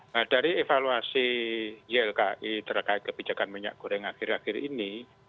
nah dari evaluasi ylki terkait kebijakan minyak goreng akhir akhir ini